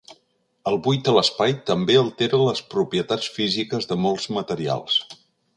El buit a l'espai també altera les propietats físiques de molts materials.